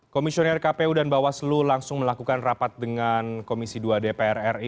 komisioner kpu dan bawaslu langsung melakukan rapat dengan komisi dua dpr ri